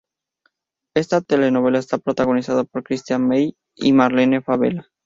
Esta telenovela está protagonizada por Christian Meier y Marlene Favela.